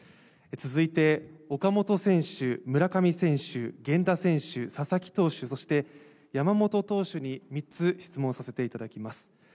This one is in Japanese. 続いて、岡本選手、村上選手、源田選手、佐々木投手、そして山本投手に３つ質問させていただきます。